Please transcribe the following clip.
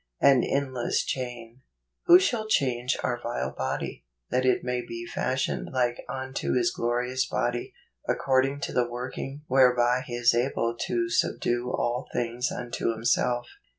An Endless Chain. " Who shall change our vile body, that it may be fashioned like unto his glorious body, according to the working ichereby he is able even to subdue all things unto himself."